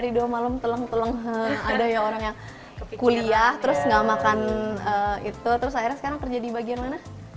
dari dua malam teleng teleng ada ya orang yang kuliah terus nggak makan itu terus akhirnya sekarang kerja di bagian mana